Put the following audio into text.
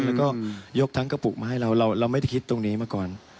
แล้วก็ยกทั้งกระปุกมาให้เราเราไม่ได้คิดตรงนี้มาก่อน